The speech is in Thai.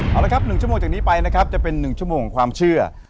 เอาละครับ๑ชั่วโมงจากนี้ไปนะครับจะเป็น๑ชั่วโมงของความเชื่อ